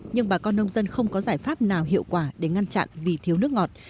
nhưng bà con nông dân không có giải pháp nào hiệu quả để ngăn chặn vì thiếu nước ngọt